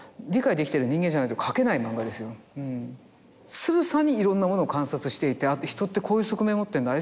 つぶさにいろんなものを観察していて人ってこういう側面を持ってんだああ